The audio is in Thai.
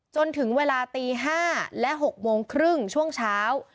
จนถึงเวลาตี๕และ๖โมงครึ่งช่วงเช้า